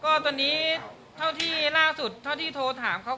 ก็ตอนนี้เท่าที่ล่าสุดเท่าที่โทรถามเขา